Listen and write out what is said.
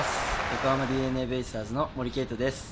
横浜ＤｅＮＡベイスターズの森敬斗です。